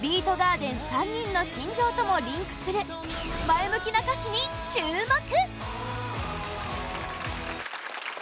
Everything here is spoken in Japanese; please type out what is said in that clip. ３人の心情ともリンクする前向きな歌詞に注目！